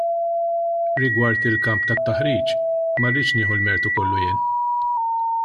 Rigward il-kamp ta' taħriġ ma rridx nieħu l-mertu kollu jien.